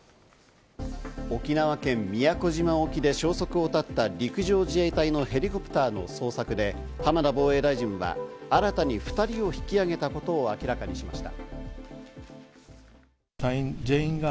沖縄県宮古島沖で消息を絶った陸上自衛隊のヘリコプターの捜索で、浜田防衛大臣は新たに２人を引き揚げたことを明らかにしました。